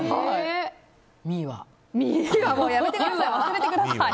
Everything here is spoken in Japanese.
ミーはもうやめてください。